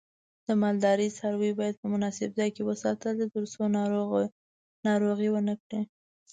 د مالدارۍ څاروی باید په مناسب ځای کې وساتل شي ترڅو ناروغي ونه کړي.